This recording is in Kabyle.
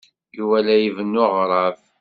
Yuba la ibennu aɣrab.